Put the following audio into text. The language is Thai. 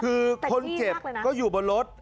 คือคนเจ็บก็อยู่บนรถ